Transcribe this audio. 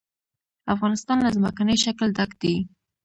افغانستان له ځمکنی شکل ډک دی.